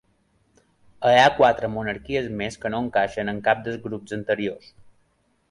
Hi ha quatre monarquies més que no encaixen en cap dels grups anteriors.